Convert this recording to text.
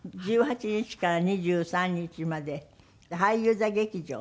１８日から２３日まで俳優座劇場。